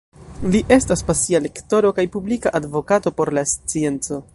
Li estas pasia lektoro kaj publika advokato por la scienco.